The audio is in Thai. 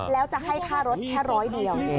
แล้วจะให้ค่ารถแค่ร้อยเดียว